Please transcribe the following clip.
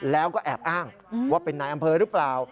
แล้วก็แอบอ้างว่าเป็นนายอำเภอหรือเปล่า